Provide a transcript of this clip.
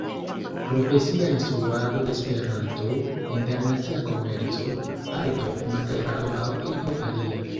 profesia instruado de Esperanto, internacia komerco, arto-maklerado aŭ io alia.